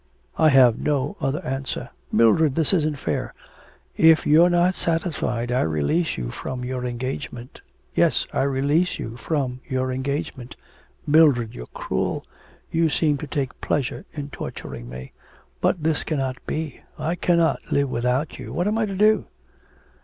'I have no other answer.' 'Mildred, this isn't fair.' 'If you're not satisfied I release you from your engagement. Yes, I release you from your engagement.' 'Mildred, you're cruel. You seem to take pleasure in torturing me. But this cannot be. I cannot live without you. What am I to do?'